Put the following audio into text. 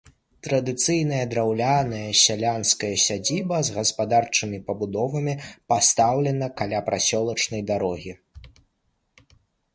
Традыцыйная драўляная сялянская сядзіба з гаспадарчымі пабудовамі пастаўлена каля прасёлачнай дарогі.